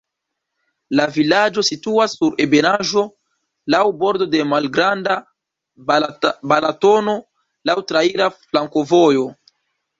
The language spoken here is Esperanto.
La vilaĝo situas sur ebenaĵo, laŭ bordo de Malgranda Balatono, laŭ traira flankovojo.